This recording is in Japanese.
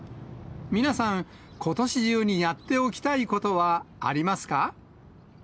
皆さん、ことし中にやっておきたいことはありますか。